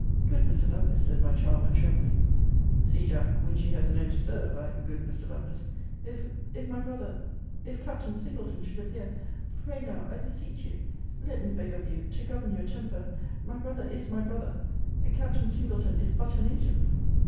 Good Mr. Lovelace, said my charmer, trembling [see, Jack, when she has an end to serve, I am good Mr. Lovelace,] if if my brother, if Captain Singleton should appear pray now I beseech you let me beg of you to govern your temper My brother is my brother Captain Singleton is but an agent.